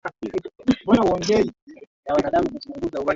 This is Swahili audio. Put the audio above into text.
Alitoa mkusanyiko wa albamu iliyojulikana kwa jina la Biashara ya Rege